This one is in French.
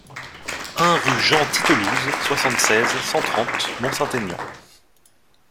un rue Jean Titelouze, soixante-seize, cent trente, Mont-Saint-Aignan